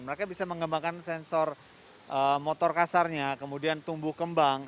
mereka bisa mengembangkan sensor motor kasarnya kemudian tumbuh kembang